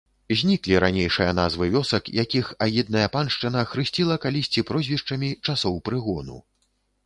Зніклі ранейшыя назвы вёсак, якіх агідная паншчына хрысціла калісьці прозвішчамі часоў прыгону.